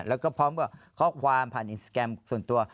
แล้วก็พร้อมกับข้อความผ่านอินสตาแกรมส่วนตัว